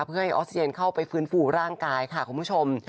เพื่อให้ออสเยนเข้าไปฟื้นฟูร่างกายค่ะคุณผู้ชม